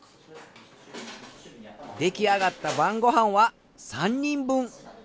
出来上がった晩ご飯は３人分。